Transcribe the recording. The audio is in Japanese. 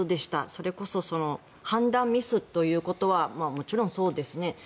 それこそ判断ミスということはもちろんそうですね。